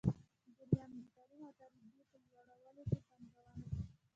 درېیم: د تعلیم او تربیې په لوړولو کې پانګونه.